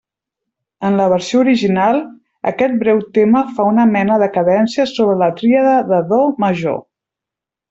En la versió original, aquest breu tema fa una mena de cadència sobre la tríada de do major.